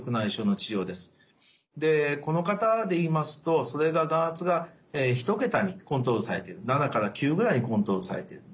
でこの方で言いますとそれが眼圧が１桁にコントロールされている７から９ぐらいにコントロールされている。